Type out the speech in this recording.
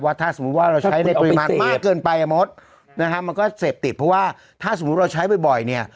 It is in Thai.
ถ้าสมมุติว่าเราใช้ในปริมาณมากเกินไปอ่ะมดนะฮะมันก็เสพติดเพราะว่าถ้าสมมุติเราใช้บ่อยเนี่ย